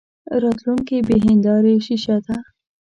راتلونکې بې هیندارې شیشه ده.